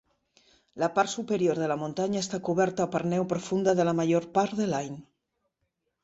La part superior de la muntanya està coberta per neu profunda la major part de l'any.